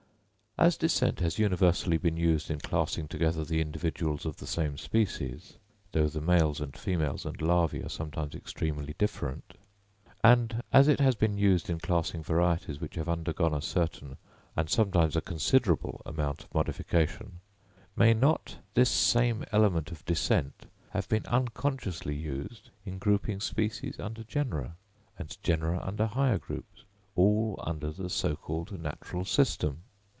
As descent has universally been used in classing together the individuals of the same species, though the males and females and larvæ are sometimes extremely different; and as it has been used in classing varieties which have undergone a certain, and sometimes a considerable amount of modification, may not this same element of descent have been unconsciously used in grouping species under genera, and genera under higher groups, all under the so called natural system?